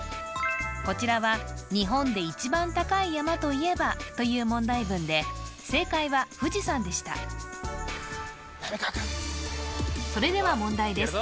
こちらは「日本で１番高い山といえば？」という問題文で正解は富士山でしたみなみかわくんそれでは問題です